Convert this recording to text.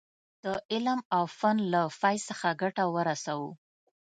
د علم او فن له فیض څخه ګټه ورسوو.